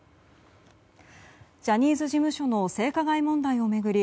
ジャニーズ事務所の性加害問題を巡り